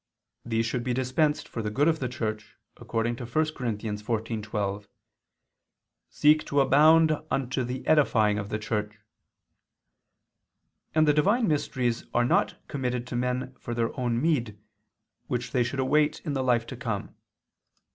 These should be dispensed for the good of the Church, according to 1 Cor. 14:12, "Seek to abound unto the edifying of the Church"; and the divine mysteries are not committed to men for their own meed, which they should await in the life to come.